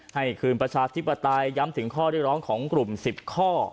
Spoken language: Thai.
คืนประชาธิปไตยย้ำถึงข้อเรียกร้องของกลุ่ม๑๐ข้อ